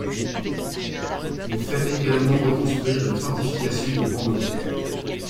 Il fait également reconstruire les fortifications de Vendôme.